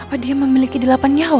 apa dia memiliki delapan nyawa